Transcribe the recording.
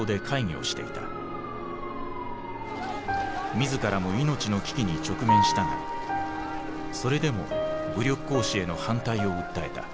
自らも命の危機に直面したがそれでも武力行使への反対を訴えた。